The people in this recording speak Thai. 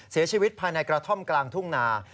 เสียชีวิตภายในกระท่อมกลางทุ่งนา